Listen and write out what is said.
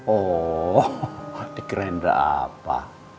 oh di kerenda apa